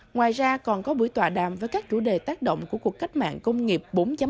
ngoài ra còn có buổi tòa đàm với các chủ đề tác động của cuộc cách mạng công nghiệp bốn